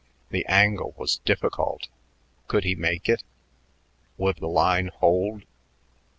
The angle was difficult. Could he make it? Would the line hold?